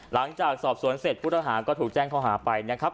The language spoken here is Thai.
หลังจากสอบสวนเสร็จผู้ต้องหาก็ถูกแจ้งข้อหาไปนะครับ